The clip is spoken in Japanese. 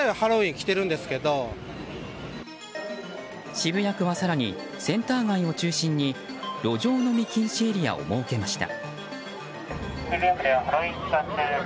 渋谷区は更に、センター街を中心に路上飲み禁止エリアを設けました。